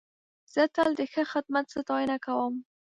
زه تل د ښه خدمت ستاینه کوم.